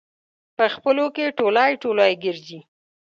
په خپلو کې ټولی ټولی ګرځي.